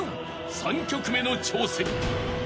３曲目の挑戦］